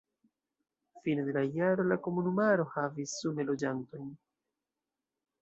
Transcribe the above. Fine de la jaro la komunumaro havis sume loĝantojn.